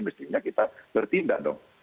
mestinya kita bertindak dong